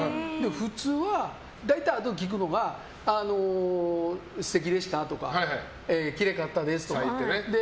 普通は大体あとで聞くのは素敵でしたとかきれいかったですとか。